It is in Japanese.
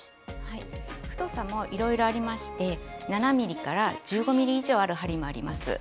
太さもいろいろありまして７．０ｍｍから１５ｍｍ以上ある針もあります。